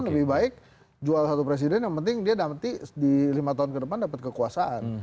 lebih baik jual satu presiden yang penting dia nanti di lima tahun ke depan dapat kekuasaan